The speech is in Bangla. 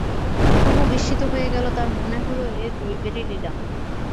কুমু বিস্মিত হয়ে গেল, তার মনে হল এ দৈবেরই লীলা।